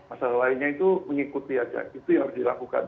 masalah lainnya itu mengikuti saja itu yang dilakukan